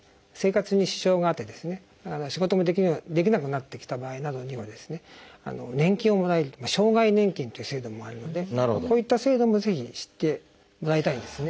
仕事もできなくなってきた場合などには年金をもらえる障害年金っていう制度もあるのでこういった制度もぜひ知ってもらいたいんですね。